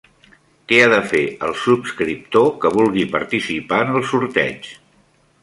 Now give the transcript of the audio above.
Què ha de fer el subscriptor que vulgui participar en el sorteig?